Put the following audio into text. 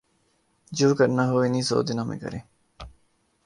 جو کرنا ہو انہی سو دنوں میں کریں۔